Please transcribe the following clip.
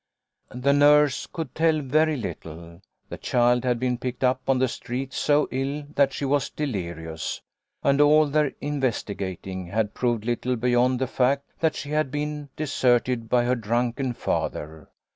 The nurse could tell very little. The child had been picked up on the street so ill that she was de lirious, and all their investigating had proved little beyond the fact that she had been deserted by her drunken father.